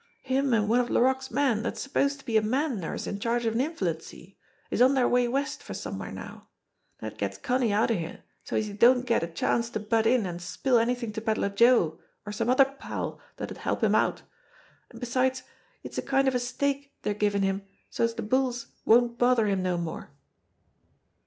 Him an' one of Laroque's men, dat's supposed to be a man nurse in charge of an invalid see? is on deir way west for some where now. Dat gets Connie outer here so's he don't get a chance to butt in an' spill anythin' to Pedler Joe or some other pal dat'd help him out, an' besides it's a kind of a stake dey're givin' him so's de bulls won't bother him no more."